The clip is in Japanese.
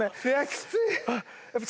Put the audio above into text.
きつい！